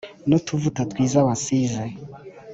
n’utuvuta twiza wansize